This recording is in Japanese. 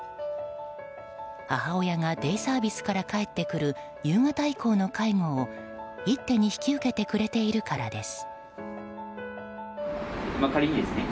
母親がデイサービスから帰ってくる、夕方以降の介護を一手に引き受けてくれているからです。